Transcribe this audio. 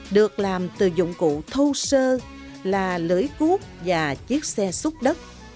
được làm từ dụng cụ thô sơ là lưỡi cuốc và chiếc xe xúc đất